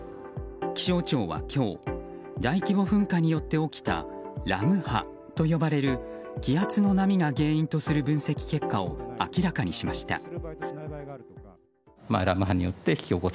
気象庁は今日大規模噴火によって起きたラム波と呼ばれる気圧の波が原因とする分析結果を明らかにしました。